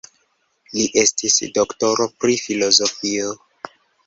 Li estis doktoro pri filozofio.